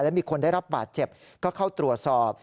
และมีคนได้รับบาดเจ็บก็เข้าตรวจสอบ